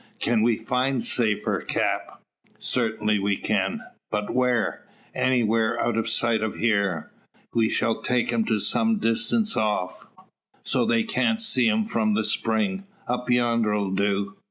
"Can we find safer, cap?" "Certainly we can." "But whar?" "Anywhare out o' sight of here. We shall take him to some distance off, so's they can't see him from the spring. Up yonder'll do."